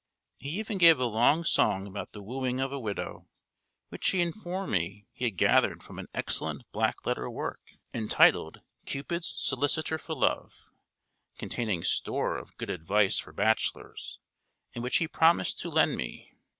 He even gave a long song about the wooing of a widow, which he informed me he had gathered from an excellent black letter work, entitled "Cupid's Solicitor for Love," containing store of good advice for bachelors, and which he promised to lend me.